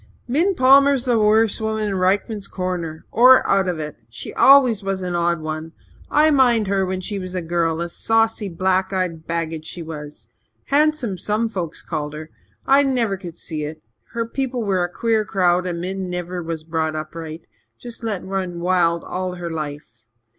"Min Palmer's the worst woman in Rykman's Corner or out of it. She always was an odd one. I mind her when she was a girl a saucy, black eyed baggage she was! Handsome, some folks called her. I never c'd see it. Her people were a queer crowd and Min was never brung up right jest let run wild all her life.